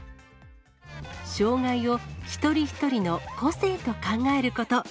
障がいを一人一人の個性と考えること。